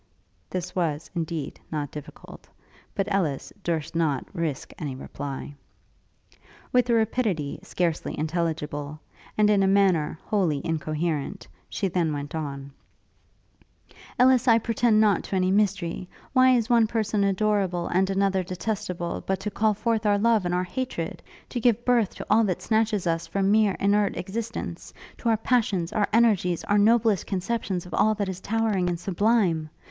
This was, indeed, not difficult; but Ellis durst not risk any reply. With a rapidity scarcely intelligible, and in a manner wholly incoherent, she then went on: 'Ellis, I pretend not to any mystery. Why is one person adorable, and another detestable, but to call forth our love and our hatred? to give birth to all that snatches us from mere inert existence; to our passions, our energies, our noblest conceptions of all that is towering and sublime?